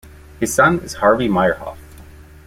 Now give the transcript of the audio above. His son is Harvey Meyerhoff.